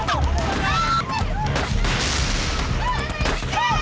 jangan jadi pahlawan